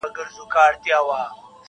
زموږ ادرس دي وي معلوم کنه ورکیږو-